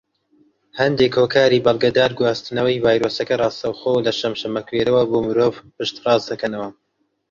هەندێک هۆکاری بەڵگەدار گواستنەوەی ڤایرۆسەکە ڕاستەوخۆ لە شەمشەمەکوێرەوە بۆ مرۆڤ پشت ڕاست دەکەنەوە.